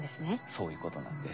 そういうことなんです。